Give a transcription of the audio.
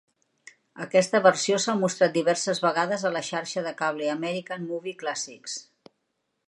Aquesta versió s'ha mostrat diverses vegades a la xarxa de cable American Movie Classics.